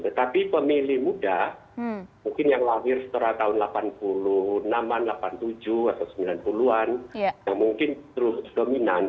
tetapi pemilih muda mungkin yang lahir setelah tahun delapan puluh enam an delapan puluh tujuh atau sembilan puluh an yang mungkin terus dominan